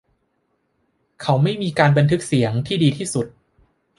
เขาไม่มีการบันทึกเสียงที่ดีที่สุด